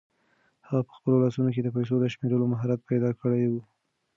هغه په خپلو لاسو کې د پیسو د شمېرلو مهارت پیدا کړی و.